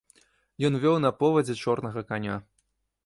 Ён вёў на повадзе чорнага каня.